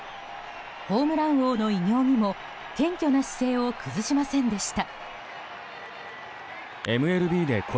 ホームラン王の偉業にも謙虚な姿勢を崩しませんでした。